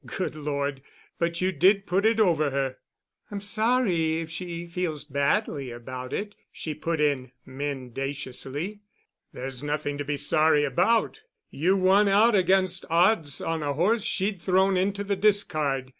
"Good Lord, but you did put it over her." "I'm sorry if she feels badly about it," she put in mendaciously. "There's nothing to be sorry about. You won out against odds on a horse she'd thrown into the discard.